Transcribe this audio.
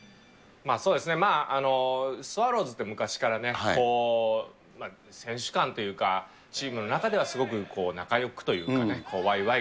そうですね、スワローズって昔から選手間というか、チームの中ではすごく仲よくというかね、わいわい